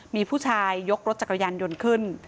มีผู้ชายยกรถจักรยานยนต์ขึ้น